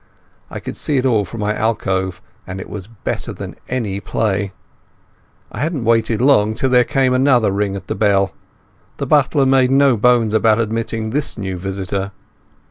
I could see it all from my alcove, and it was better than any play. I hadn't waited long till there came another ring at the bell. The butler made no bones about admitting this new visitor.